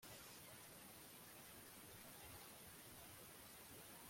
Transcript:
sinshaka ko wumva ko ndaguhatira gukora ibi